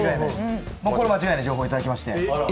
これは間違いない情報をいただきまして。